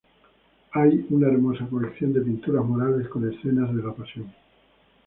Hay una hermosa colección de pinturas murales con escenas de la Pasión.